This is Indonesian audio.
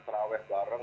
para awes bareng